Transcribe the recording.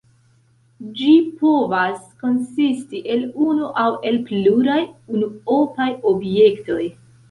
Ĝi povas konsisti el unu aŭ el pluraj unuopaj objektoj.